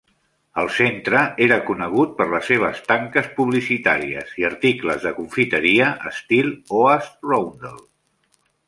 El centre era conegut per les seves tanques publicitàries i articles de confiteria estil Oast roundel.